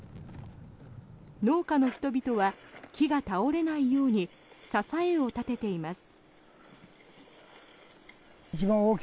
農家の人々は木が倒れないように支えを立てています。